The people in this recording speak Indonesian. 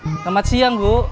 selamat siang bu